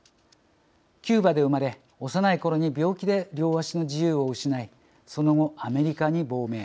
キューバで生まれ幼いころに病気で両足の自由を失いその後アメリカに亡命。